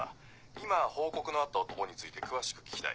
今報告のあった男について詳しく聞きたい。